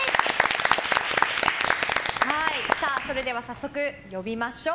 それでは早速呼びましょう。